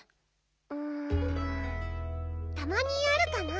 うんたまにあるかな。